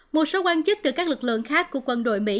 một số quan chức từ các lực lượng khác của quân đội mỹ